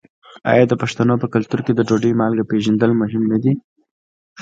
آیا د پښتنو په کلتور کې د ډوډۍ مالګه پیژندل مهم نه دي؟